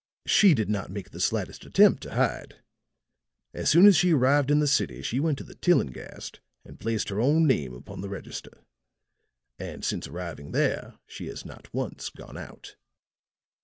She did not make the slightest attempt to hide. As soon as she arrived in the city she went to the Tillinghast and placed her own name upon the register. And since arriving there she has not once gone out."